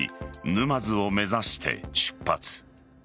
沼津を目指して出発。